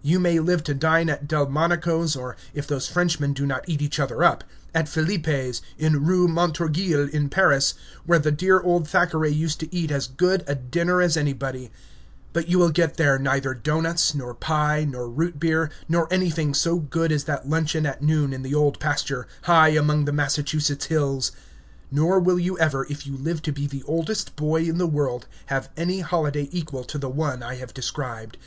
You may live to dine at Delmonico's, or, if those Frenchmen do not eat each other up, at Philippe's, in Rue Montorgueil in Paris, where the dear old Thackeray used to eat as good a dinner as anybody; but you will get there neither doughnuts, nor pie, nor root beer, nor anything so good as that luncheon at noon in the old pasture, high among the Massachusetts hills! Nor will you ever, if you live to be the oldest boy in the world, have any holiday equal to the one I have described.